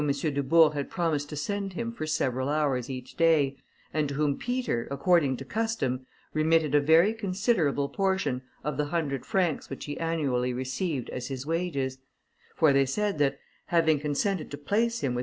Dubourg had promised to send him for several hours each day, and to whom Peter, according to custom, remitted a very considerable portion of the hundred francs which he annually received as his wages; for they said that, having consented to place him with M.